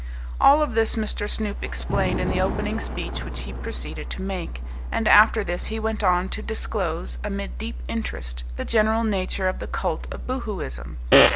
All of this Mr. Snoop explained in the opening speech which he proceeded to make. And after this he went on to disclose, amid deep interest, the general nature of the cult of Boohooism.